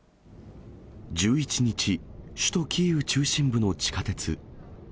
１１日、首都キーウ中心部の地下鉄。